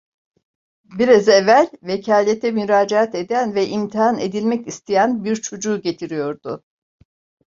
Biraz evvel vekalete müracaat eden ve imtihan edilmek isteyen bir çocuğu getiriyordu.